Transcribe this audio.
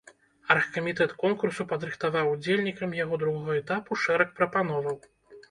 Аргкамітэт конкурсу падрыхтаваў удзельнікам яго другога этапу шэраг прапановаў.